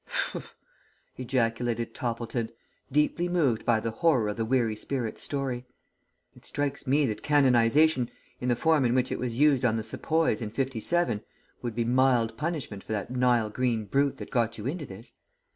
"Humph!" ejaculated Toppleton, deeply moved by the horror of the weary spirit's story. "It strikes me that canonization in the form in which it was used on the Sepoys in '57 would be mild punishment for that Nile green brute that got you into this.